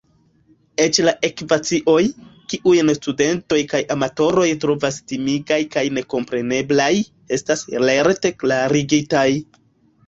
Eĉ la ekvacioj, kiujn studentoj kaj amatoroj trovas timigaj kaj nekompreneblaj, estas lerte klarigitaj.